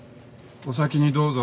お先にどうぞ。